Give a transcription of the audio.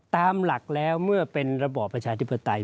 ตามหลักแล้วเมื่อเป็นระบอบประชาธิปไตย